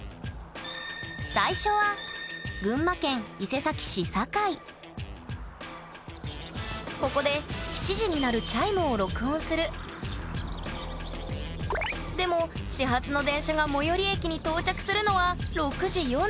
最初は群馬県伊勢崎市境ここで７時に鳴るチャイムを録音するでも始発の電車が最寄り駅に到着するのは６時４６分。